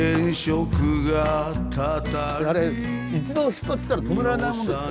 あれ一度出発したら止められないもんですから。